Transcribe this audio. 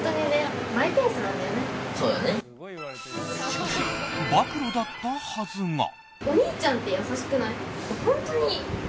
しかし、暴露だったはずが。